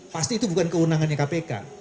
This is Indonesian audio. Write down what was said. pasti itu bukan kewenangannya kpk